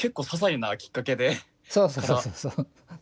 そうそうそうそう。